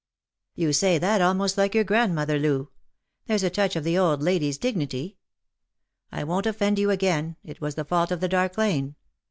" You say that almost like youi grandmother, Loo. There's a touch of the old lady's dignity. I won't offend you again ; it was the fault of the dark lane.